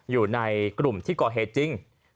อยู่ในกลุ่มที่ก่อเหตุจริง